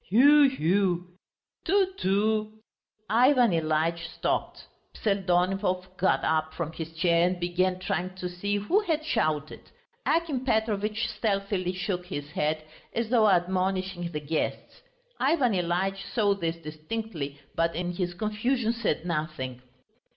"Hu hu...." "Tu tu!" Ivan Ilyitch stopped. Pseldonimov got up from his chair and began trying to see who had shouted. Akim Petrovitch stealthily shook his head, as though admonishing the guests. Ivan Ilyitch saw this distinctly, but in his confusion said nothing.